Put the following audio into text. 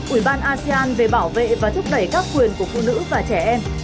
ủy ban asean về bảo vệ và thúc đẩy các quyền của phụ nữ và trẻ em